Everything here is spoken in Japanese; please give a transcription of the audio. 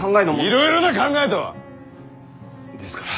いろいろな考えとは！ですから。